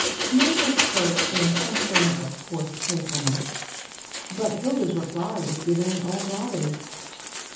" Mabel spoke in something of forced playfiil ness ; but Hilda's reply was given in all gravity.